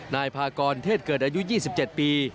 นายพากรเทศเกิดอายุ๒๗ปี